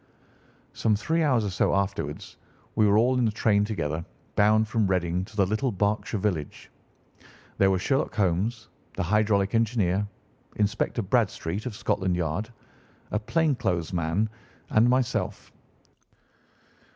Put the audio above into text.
Some three hours or so afterwards we were all in the train together, bound from Reading to the little Berkshire village. There were Sherlock Holmes, the hydraulic engineer, Inspector Bradstreet, of Scotland Yard, a plain clothes man, and myself.